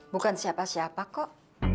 bukan siapa siapa kok